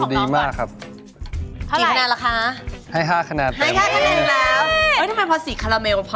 นึงอีกหน่อยก็ได้ครับเพราะว่ามันจะได้เป็นซอสเต็กคาราเมลหน่อยครับ